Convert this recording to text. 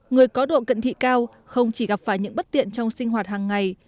người có độ cận thị cao không chỉ gặp phải những bất tiện trong sinh hoạt hàng ngày